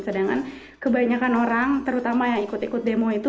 sedangkan kebanyakan orang terutama yang ikut ikut demo itu